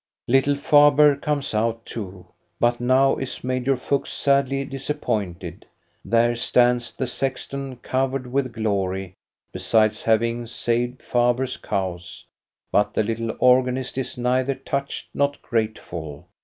Little Faber comes out too, but now is Major Fuchs sadly disappointed. There stands the sexton covered with glory, besides having saved Faber's cows, but the little organist is neither touched nor grateful.